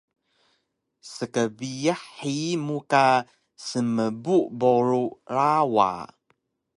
Skbiyax hiyi mu ka smbu boru rawa